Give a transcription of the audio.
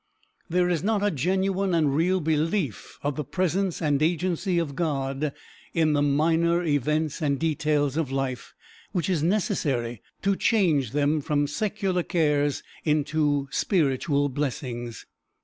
There is not a genuine and real belief of the presence and agency of God in the minor events and details of life, which is necessary to change them from secular cares into spiritual blessings.